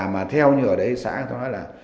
mà theo như ở đấy xã